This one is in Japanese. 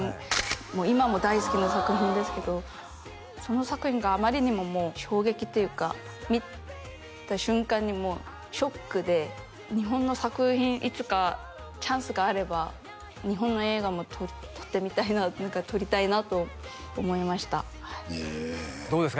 今も大好きな作品ですけどその作品があまりにももう衝撃というか見た瞬間にもうショックで日本の作品いつかチャンスがあれば日本の映画も撮ってみたいな撮りたいなと思いましたへえどうですか？